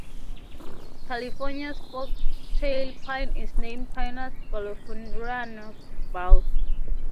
California's foxtail pine is named "Pinus balfouriana" Balf.